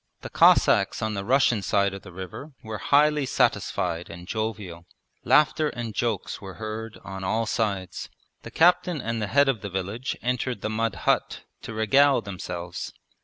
The Cossacks on the Russian side of the river were highly satisfied and jovial. Laughter and jokes were heard on all sides. The captain and the head of the village entered the mud hut to regale themselves.